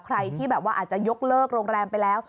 ใครที่แบบว่าอาจจะยกเลิกโรงแรมไปแล้ว